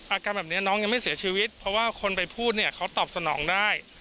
อาการแบบนี้น้องยังไม่เสียชีวิตเพราะว่าคนไปพูดเนี่ยเขาตอบสนองได้